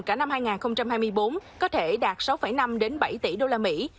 cả năm hai nghìn hai mươi bốn có thể đạt sáu năm bảy tỷ đô la mỹ